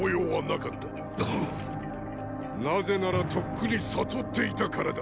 なぜならとっくに悟っていたからだ。